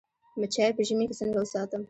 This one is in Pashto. مچۍ په ژمي کې څنګه وساتم؟